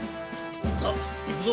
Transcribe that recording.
さあ行くぞ。